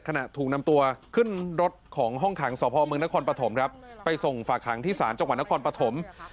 ขณะถูกนำตัวขึ้นรถของห้องขังสพเมืองนครปฐมครับไปส่งฝากหางที่ศาลจังหวัดนครปฐม